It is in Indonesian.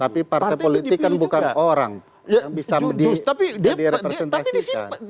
tapi partai politik kan bukan orang yang bisa direpresentasikan